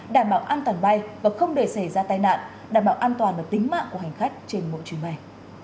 đảm bảo an toàn bay và không để xảy ra tai nạn đảm bảo an toàn và tính mạng của hành khách trên mỗi chuyến bay